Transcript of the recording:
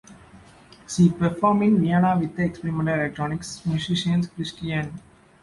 She performed in Vienna with the experimental electronics musicians Christian Fennesz and Burkhard Stangl.